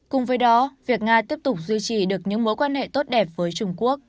cùng với đó việc nga tiếp tục duy trì được những mối quan hệ tốt đẹp với trung quốc